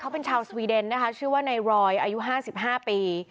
เขาเป็นชาวสวีเดนนะคะชื่อว่าไนโรยอายุห้าสิบห้าปี